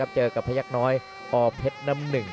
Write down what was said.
เจอกับพยักษ์น้อยอเพชรน้ำหนึ่ง